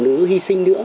phụ nữ hy sinh nữa